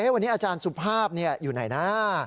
วันนี้อาจารย์สุภาพอยู่ไหนนะ